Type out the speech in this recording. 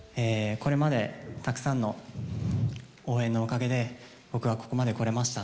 これまでたくさんの応援のおかげで、僕はここまで来れました。